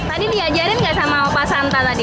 tadi diajarin gak sama opa santa tadi